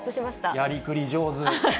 やりくり上手。